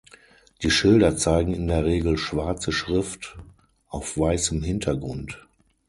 Die Schilder zeigen in der Regel schwarze Schrift auf weißem Hintergrund.